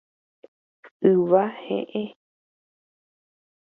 Yva he'ẽ.